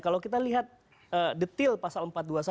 kalau kita lihat detail pasal empat ratus dua puluh satu